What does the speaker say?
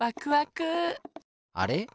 あれ？